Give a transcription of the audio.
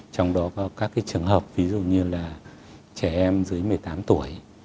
trong đó có các trường hợp ví dụ như là trẻ em dưới một mươi tám tuổi